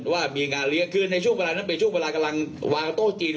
ว่ามีงานเลี้ยงคือในช่วงเวลานั้นเป็นช่วงเวลากำลังวางโต๊ะจีน